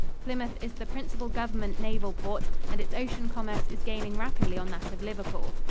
Plymouth is the principal government naval port and its ocean commerce is gaining rapidly on that of Liverpool.